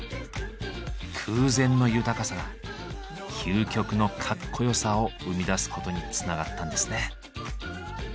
空前の豊かさが究極のかっこよさを生み出すことにつながったんですね。